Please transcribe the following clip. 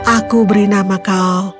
aku beri nama kau